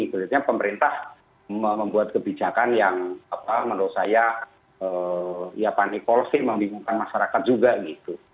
berarti pemerintah membuat kebijakan yang menurut saya ya panik policy membingungkan masyarakat juga gitu